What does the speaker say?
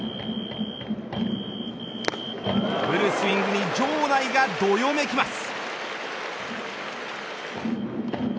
フルスイングに場内がどよめきます。